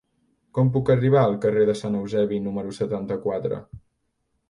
Com puc arribar al carrer de Sant Eusebi número setanta-quatre?